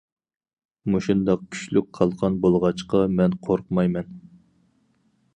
مۇشۇنداق كۈچلۈك قالقان بولغاچقا، مەن قورقمايمەن.